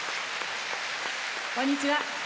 こんにちは。